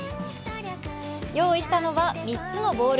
用意したのは３つのボール。